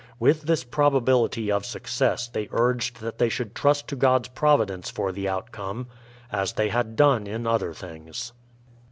With this probability of success they urged that they should trust to God's providence for the outcome, as they had done in other things.